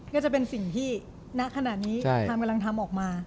ก็จะเป็นสิ่งที่ณขณะนี้ทำกำลังทำออกมา